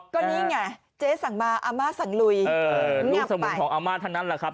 ก็นี่ไงเจ๊สั่งมาอาม่าสั่งลุยลูกสมุนของอาม่าทั้งนั้นแหละครับ